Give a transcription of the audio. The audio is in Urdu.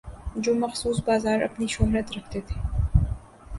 جو مخصوص بازار اپنی شہرت رکھتے تھے۔